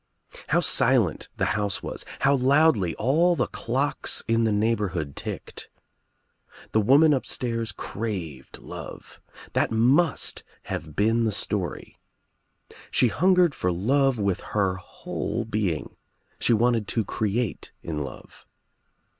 How silent the house was — how loudly ali the clocks in the neighborhood ticked. The woman upstairs craved love. That must have been the story. She hungered for love with her whole being. She wanted to create in love.